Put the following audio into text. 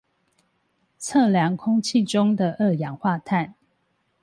測量空氣中的二氧化碳